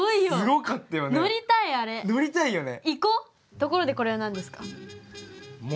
ところでこれは何ですか？